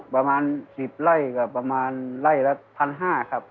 ประมาณสิบไร่กับประมาณไร่ละพันห้าครับ